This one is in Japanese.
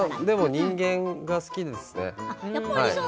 でも人間が好きですね。